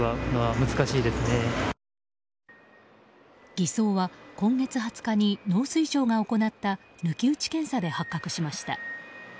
偽装は今月２０日に農水省が行った抜き打ち検査で発覚しました。